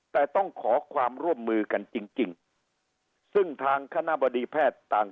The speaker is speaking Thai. แต่ต้องขอความร่วมมือกันจริงจริงซึ่งทางคณะบดีแพทย์ต่าง